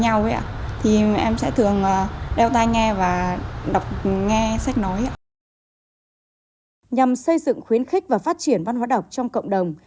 nhằm xây dựng khuyến khích và phát triển văn hóa đọc trong cộng đồng